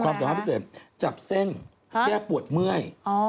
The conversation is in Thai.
เพราะว่าความสามารถพิเศษจับเส้นแก้ปวดเมื่อย